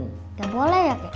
gak boleh ya kek